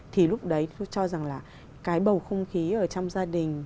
thì lúc đấy tôi cho rằng là cái bầu không khí ở trong gia đình